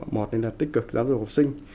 một là tích cực giám dục học sinh